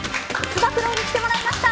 つば九郎に来てもらいました。